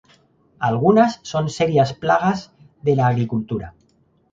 Algunas son serias plagas de la agricultura.